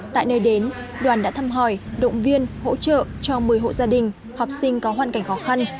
tại nơi đến đoàn đã thăm hỏi động viên hỗ trợ cho một mươi hộ gia đình học sinh có hoàn cảnh khó khăn